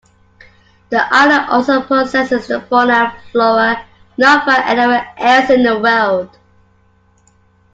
The island also possesses fauna and flora not found anywhere else in the world.